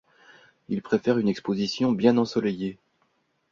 Il préfère une exposition bien ensoleillée.